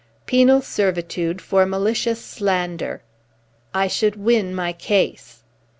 "Penal servitude for malicious slander." "I should win my case."